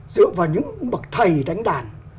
dựa vào những bậc thầy đánh đàn